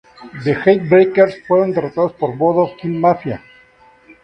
The Heartbreakers fueron derrotados por Voodoo Kin Mafia.